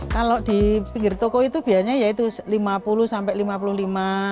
kalau di pinggir toko itu biasanya ya itu lima puluh sampai lima puluh lima